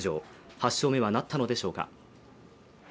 ８勝目はなったのでしょうか。